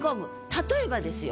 例えばですよ。